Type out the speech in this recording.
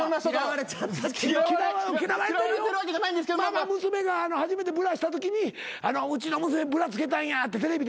まあまあ娘が初めてブラしたときにうちの娘ブラ着けたんやってテレビで言うてしもうた。